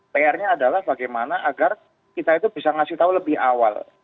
pr nya adalah bagaimana agar kita itu bisa ngasih tahu lebih awal